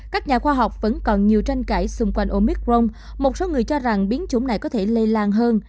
các nhà khoa học vẫn còn nhiều tranh cãi xung quanh omic rong một số người cho rằng biến chủng này có thể lây lan hơn